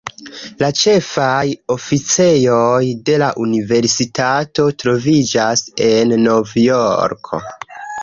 La ĉefaj oficejoj de la universitato troviĝas en Nov-Jorko.